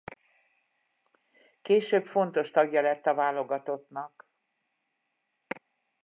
Később fontos tagja lett a válogatottnak.